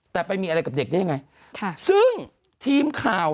แต่ไปมีอะไรกับเด็กได้ยังไงค่ะซึ่งทีมข่าว